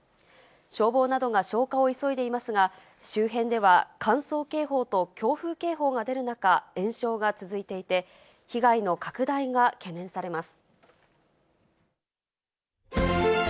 消防などが消火を急いでいますが、周辺では乾燥警報と強風警報が出る中、延焼が続いていて、被害の拡大が懸念されます。